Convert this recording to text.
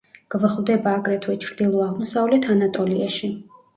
გვხვდება აგრეთვე ჩრდილო-აღმოსავლეთ ანატოლიაში.